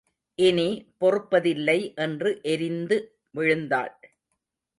இனி பொறுப்பதில்லை என்று எரிந்து விழுந்தாள்.